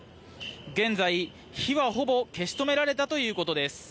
現在、火はほぼ消し止められたということです。